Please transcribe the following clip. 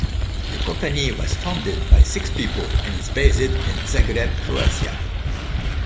The company was founded by six people and is based in Zagreb, Croatia.